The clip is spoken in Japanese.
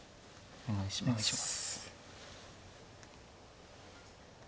お願いします。